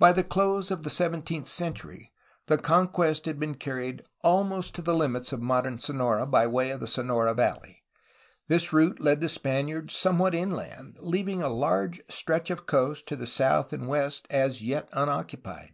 By the close of the seventeenth century the conquest had been carried almost to the limits of modern Sonora by way of the Sonora valley. This route led the Spaniards some what inland, leaving a large stretch of coast to the south and west as yet unoccupied.